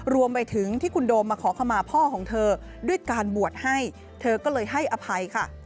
รวมไปถึงที่คุณโดมมาขอขมาพ่อของเธอด้วยการบวชให้เธอก็เลยให้อภัยค่ะ